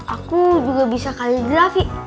aku juga bisa kali jual